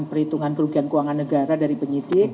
perhitungan kerugian keuangan negara dari penyidik